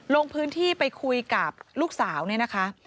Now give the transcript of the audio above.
ลงพื้นที่ไปคุยกับลูกสาวเนี่ยนะคะ